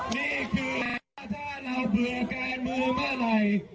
นี่คือถ้าเราเบื่อการเมืองเมื่อไหร่